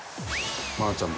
愛菜ちゃん